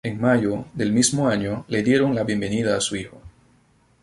En mayo del mismo año le dieron la bienvenida a su hijo.